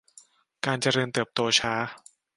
การเจริญเติบโตช้า